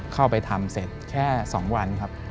เข้าไปทำเสร็จแค่๒วันครับ